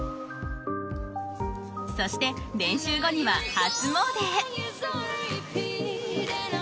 そして練習後には初詣へ。